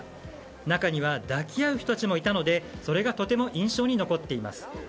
中には抱き合う人たちもいたのでそれがとても印象に残っています。